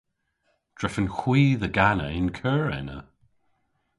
Drefen hwi dhe gana y'n keur ena.